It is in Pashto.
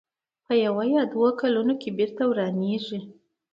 په یوه یا دوو کلونو کې بېرته ورانېږي.